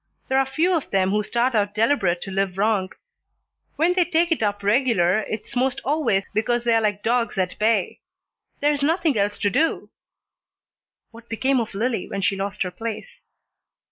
There 're few of them who start out deliberate to live wrong. When they take it up regular it's 'most always because they're like dogs at bay. There's nothing else to do." "What became of Lillie when she lost her place?"